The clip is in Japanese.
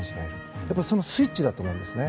そのスイッチだと思うんですね。